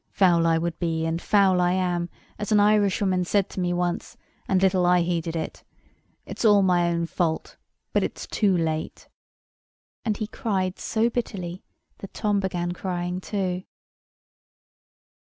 Foul I would be, and foul I am, as an Irishwoman said to me once; and little I heeded it. It's all my own fault: but it's too late." And he cried so bitterly that Tom began crying too.